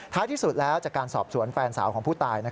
ที่สุดแล้วจากการสอบสวนแฟนสาวของผู้ตาย